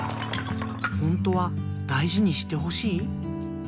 ほんとはだいじにしてほしい？